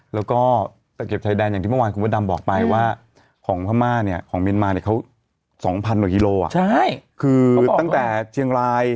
แล้วก็ตะเกียบชายแดนอย่างที่เมื่อวาน